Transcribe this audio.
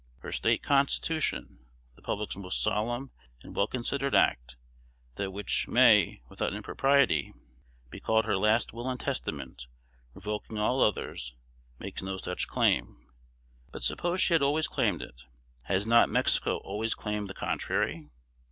Her State Constitution the public's most solemn and well considered act, that which may, without impropriety, be called her last will and testament, revoking all others makes no such claim. But suppose she had always claimed it. Has not Mexico always claimed the contrary?